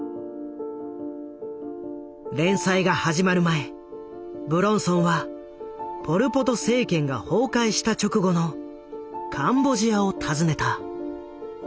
連載が始まる前武論尊はポル・ポト政権が崩壊した直後のカンボジアを訪ねた。